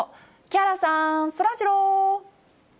木原さん、そらジロー。